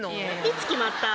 いつ決まった？